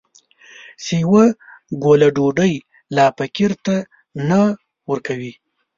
چې يوه ګوله ډوډۍ لا فقير ته نه ورکوي.